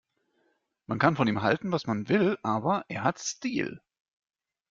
Man kann von ihm halten, was man will, aber er hat Stil.